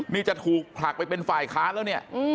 นี่จะถูกผลักไปเป็นฝ่ายค้านแล้วเนี่ย